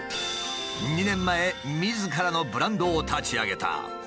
２年前みずからのブランドを立ち上げた。